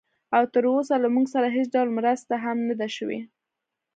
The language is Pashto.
او تراوسه له موږ سره هېڅ ډول مرسته هم نه ده شوې